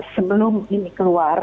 sebelum ini keluar